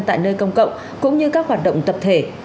tại nơi công cộng cũng như các hoạt động tập thể